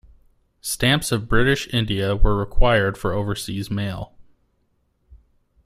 Stamps of British India were required for overseas mail.